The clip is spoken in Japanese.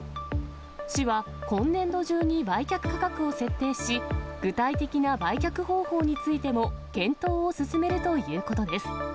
市は、今年度中に売却価格を設定し、具体的な売却方法についても検討を進めるということです。